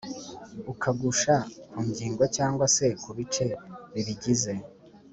ukagusha ku ngingo cyangwa se ku bice bibigize.